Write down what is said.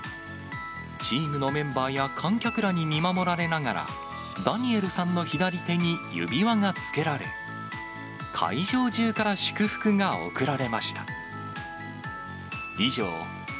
チームのメンバーや観客らに見守られながら、ダニエルさんの左手に、指輪がつけられ、会場中から祝福が送られました。